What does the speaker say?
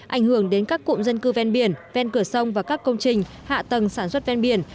ảnh hưởng đến các cụm dân cư ven biển ven cửa sông và các công trình hạ tầng sản xuất ven biển